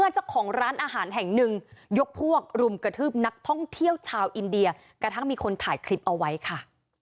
ชาวอินเดียกระทั่งมีคนถ่ายคลิปเอาไว้ค่ะ